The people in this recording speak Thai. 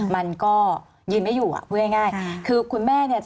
มันก็ยืนไม่อยู่พูดง่าย